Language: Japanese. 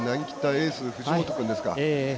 エース藤本君ですか。